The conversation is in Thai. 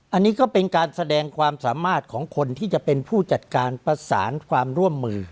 อันนี้ก็เป็นการแสดงความสามารถของคนที่จะเป็นผู้จัดการประสานความร่วมมือ